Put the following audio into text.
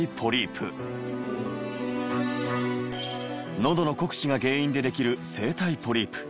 のどの酷使が原因でできる声帯ポリープ。